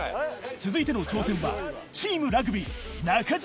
続いての挑戦はチームラグビー中島